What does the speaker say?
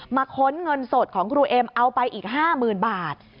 มาค้นเงินสดของครูเอ็มเอาไปอีกห้ามืนบาท